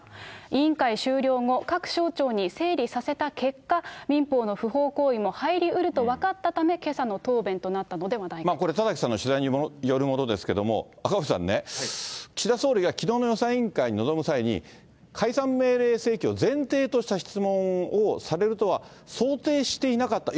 委員会終了後、各省庁に整理させた結果、民法の不法行為も入りうると分かったため、これ、田崎さんの取材によるものですけれども、赤星さんね、岸田総理がきのうの予算委員会に臨む際に、解散命令請求を前提とした質問をされるとは、想定していなかった。